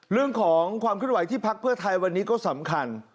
เรื่องของความเคลื่อนไหวที่พักเพื่อไทยวันนี้ก็สำคัญ